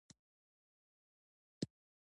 دا نوم له لاتیني «کارپوس» څخه اخیستل شوی دی.